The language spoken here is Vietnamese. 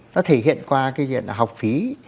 nó thể hiện qua cái chuyện là học phí